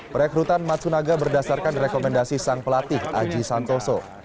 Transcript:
perekrutan matsunaga berdasarkan rekomendasi sang pelatih aji santoso